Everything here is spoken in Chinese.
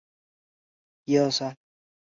贝费尔斯特是德国下萨克森州的一个市镇。